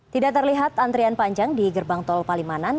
tidak terlihat antrian panjang di gerbang tol palimanan